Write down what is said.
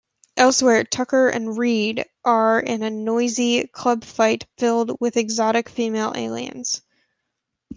Elsewhere, Tucker and Reed are in a noisy nightclub filled with exotic female aliens.